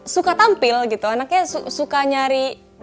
suka tampil gitu anaknya suka nyari